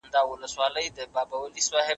ته لا څنګه یې ولاړه ستا طاقت دی له کوم ځایه